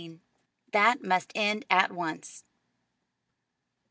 "That must end at once."